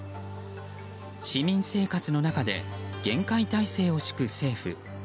市民生活の中で厳戒態勢を敷く政府。